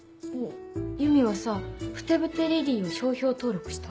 ゆみはさ「ふてぶてリリイ」を商標登録した？